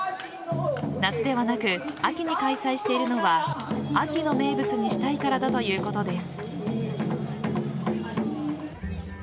夏ではなく秋に開催しているのは秋の名物にしたいからだということです。